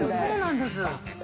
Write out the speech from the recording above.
そうなんです。